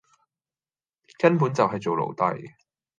根本就係做奴隸